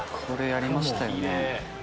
これやりましたよね。